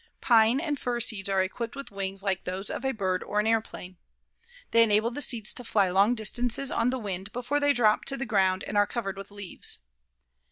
Pine and fir seeds are equipped with wings like those of a bird or an airplane. They enable the seeds to fly long distances on the wind before they drop to the ground and are covered with leaves.